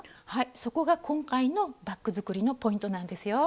そこが今回のバッグ作りのポイントなんですよ。